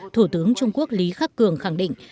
thủ tướng trung quốc lý khắc cường khẳng định